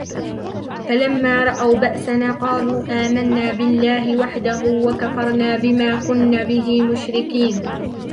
فَلَمَّا رَأَوْا بَأْسَنَا قَالُوا آمَنَّا بِاللَّهِ وَحْدَهُ وَكَفَرْنَا بِمَا كُنَّا بِهِ مُشْرِكِينَ